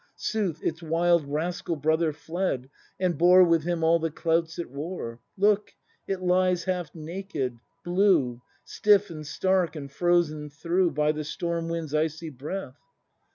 Sooth, its wild Rascal brother fled, and bore With him all the clouts it wore. Look, it lies half naked — blue, Stiff and stark and frozen through, By the storm wind's icy breath.